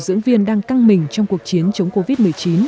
điều dưỡng viên đang căng mình trong cuộc chiến chống covid một mươi chín